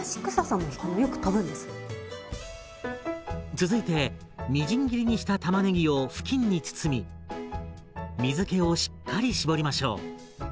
続いてみじん切りにしたたまねぎを布巾に包み水けをしっかり絞りましょう。